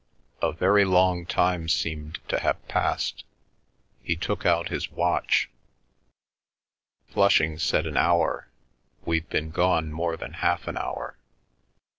A very long time seemed to have passed. He took out his watch. "Flushing said an hour. We've been gone more than half an hour."